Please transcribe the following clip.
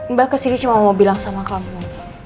mbak kesini cuma mau bilang sama kamu